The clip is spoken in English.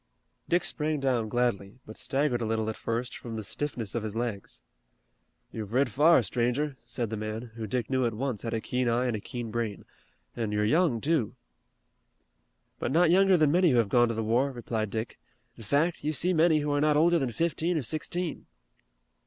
Dick sprang down gladly, but staggered a little at first from the stiffness of his legs. "You've rid far, stranger," said the man, who Dick knew at once had a keen eye and a keen brain, "an' you're young, too." "But not younger than many who have gone to the war," replied Dick. "In fact, you see many who are not older than fifteen or sixteen."